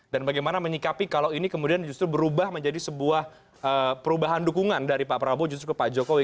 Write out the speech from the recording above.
dan bagaimana menyikapi kalau ini kemudian justru berubah menjadi sebuah perubahan dukungan dari pak prabowo justru ke pak jokowi